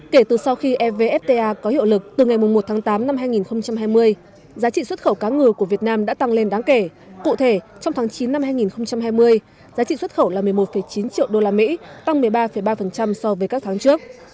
kể từ sau khi evfta có hiệu lực từ ngày một tháng tám năm hai nghìn hai mươi giá trị xuất khẩu cá ngừ của việt nam đã tăng lên đáng kể cụ thể trong tháng chín năm hai nghìn hai mươi giá trị xuất khẩu là một mươi một chín triệu usd tăng một mươi ba ba so với các tháng trước